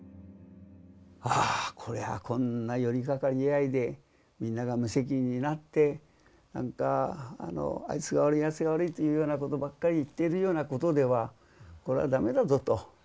あこれはこんな寄り合いでみんなが無責任になってなんかあいつが悪いあいつが悪いっていうようなことばっかり言っているようなことではこれはダメだぞと。